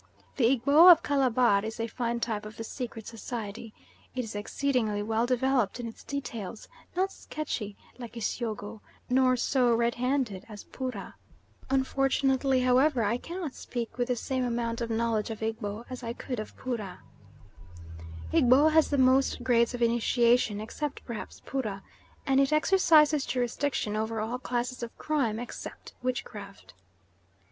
The Egbo of Calabar is a fine type of the secret society. It is exceedingly well developed in its details, not sketchy like Isyogo, nor so red handed as Poorah. Unfortunately, however, I cannot speak with the same amount of knowledge of Egbo as I could of Poorah. Egbo has the most grades of initiation, except perhaps Poorah, and it exercises jurisdiction over all classes of crime except witchcraft.